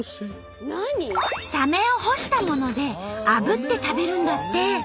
サメを干したものであぶって食べるんだって！